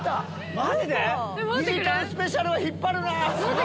マジで⁉２時間スペシャルは引っ張るなぁ。